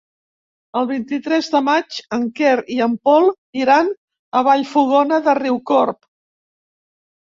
El vint-i-tres de maig en Quer i en Pol iran a Vallfogona de Riucorb.